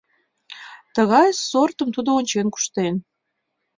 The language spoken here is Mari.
Тыгай сортым тудо ончен куштен.